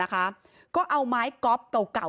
นะครับก็เอาไม้ก๊อฟเก่า